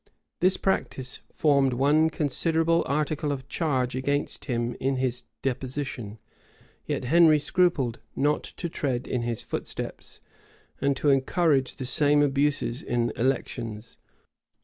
This practice formed one considerable article of charge against him in his deposition; yet Henry scrupled not to tread in his footsteps, and to encourage the same abuses in elections.